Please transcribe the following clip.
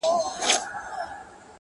ملنگ خو دي وڅنگ ته پرېږده؛